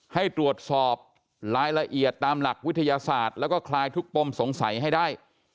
ให้ตรวจสอบรายละเอียดตามหลักวิทยาศาสตร์แล้วก็คลายทุกปมสงสัยให้ได้